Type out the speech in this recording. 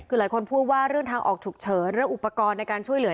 คือหลายคนพูดว่าเรื่องทางออกฉุกเฉินเรื่องอุปกรณ์ในการช่วยเหลือ